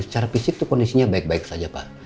secara fisik itu kondisinya baik baik saja pak